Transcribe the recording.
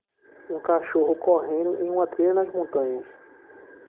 Um cachorro correndo em uma trilha nas montanhas